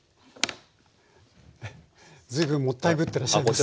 随分もったいぶってらっしゃるんですね。